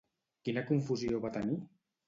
Quina confusió va tenir?